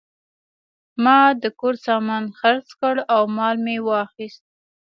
ما د کور سامان خرڅ کړ او مال مې واخیست.